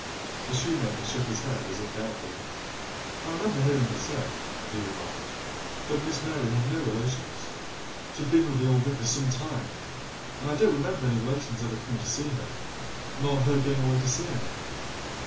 The shoemaker shook his head as if doubtful. "I remember hearing it said," he remarked, "that Miss Mary had no relations. She'd been with the old vicar some time, and I don't remember any relations ever coming to see her, nor her going away to see any."